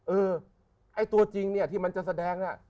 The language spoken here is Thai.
เออตัวจริงที่มันจะแสดง